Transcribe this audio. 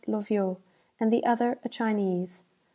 Loviot, and the other a Chinese.